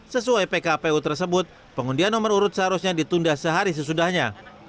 sesuai pkpu tersebut pengundian nomor urut seharusnya ditunda sehari sesudahnya